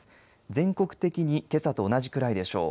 全国的にけさと同じくらいでしょう。